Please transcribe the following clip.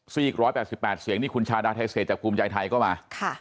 อีก๑๘๘เสียงนี่คุณชาดาไทเศษจากภูมิใจไทยก็มา